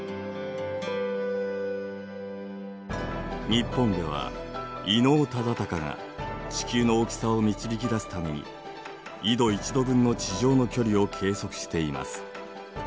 日本では伊能忠敬が地球の大きさを導き出すために緯度１度分の地上の距離を計測しています。